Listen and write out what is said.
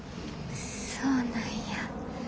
そうなんや。